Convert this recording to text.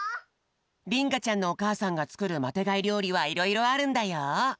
りんかちゃんのおかあさんがつくるマテがいりょうりはいろいろあるんだよ。